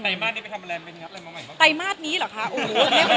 อย่างไตมาสนี้ไปทำอะไรมีอะไรมาใหม่บ้าง